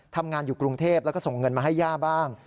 ทำงานอยู่กรุงเทพแล้วก็ส่งเงินมาให้ย่าบ้าง